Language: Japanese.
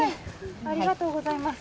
ありがとうございます。